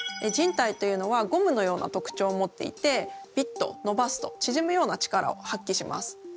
靱帯というのはゴムのような特徴を持っていてビッとのばすとちぢむような力を発揮します。